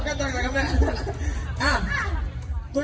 รองเสียงพูดอีกครั้งเหรอครับ